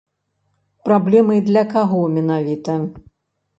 Праблемай для каго менавіта?